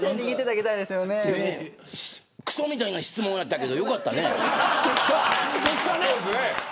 くそみたいな質問やったけどよかったね。